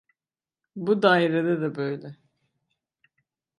Bu dairede de böyle: